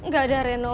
gak ada reno